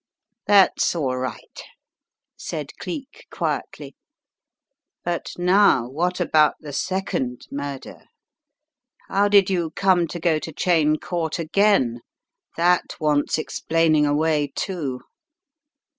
"That's all right," said Cleek, quietly. "But now what about the second murder? How did you come to go to Cheyne Court again? That wants explaining away, too."